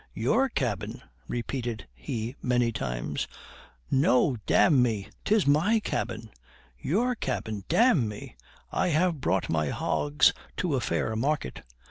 "Your cabin!" repeated he many times; "no, d n me! 'tis my cabin. Your cabin! d n me! I have brought my hogs to a fair market.